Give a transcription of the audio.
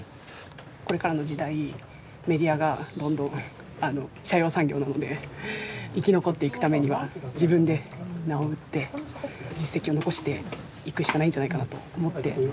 これからの時代メディアがどんどん斜陽産業なので生き残っていくためには自分で名を売って実績を残していくしかないんじゃないかなと思って。